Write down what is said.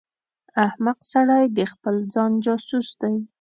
احمق سړی د خپل ځان جاسوس دی.